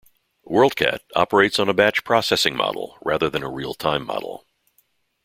WorldCat operates on a batch processing model rather than a real-time model.